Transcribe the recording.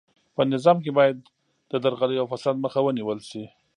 په نظام کې باید د درغلۍ او فساد مخه ونیول سي.